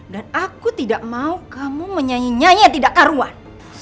dan aku tidak mau kamu menyanyi nyanyi yang tidak karuan